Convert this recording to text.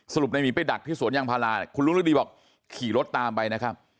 รุปในหมีไปดักที่สวนยางพาราคุณลุงฤดีบอกขี่รถตามไปนะครับ